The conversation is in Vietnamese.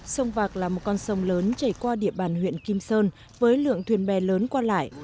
sông vạc là một con sông lớn chảy qua địa bàn huyện kim sơn với lượng thuyền bè lớn qua lại